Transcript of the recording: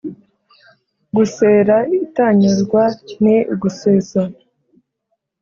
Gusera intanyurwa ni ugusesa.